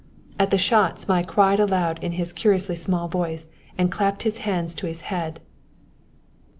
At the shot Zmai cried aloud in his curiously small voice and clapped his hands to his head.